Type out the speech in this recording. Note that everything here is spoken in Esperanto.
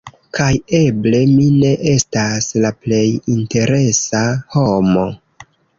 Kaj eble mi ne estas la plej interesa homo.